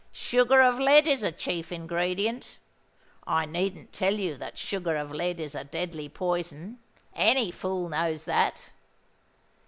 Sugar of lead is a chief ingredient! I needn't tell you that sugar of lead is a deadly poison: any fool knows that.